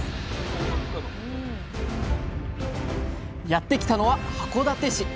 やってきたのは函館市。